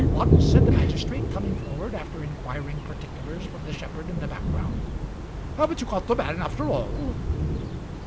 "Hey what?" said the magistrate, coming forward after inquiring particulars from the shepherd in the background. "Haven't you got the man after all?"